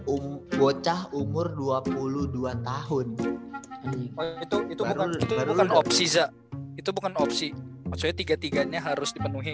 umur bocah umur dua puluh dua tahun itu itu itu bukan opsi itu bukan opsi maksudnya tiga puluh tiga nya harus dipenuhi